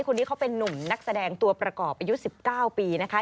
คนนี้เขาเป็นนุ่มนักแสดงตัวประกอบอายุ๑๙ปีนะคะ